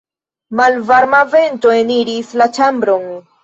Malvarma vento eniris la ĉambron.